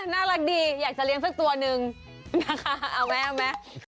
นะคะเอาไหมเอาไหม